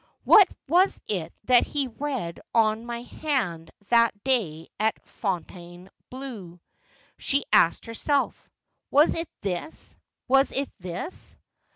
' What was it that he read on my hand that day at Fontaine bleau ?' she asked herself. ' Was it this ? was it this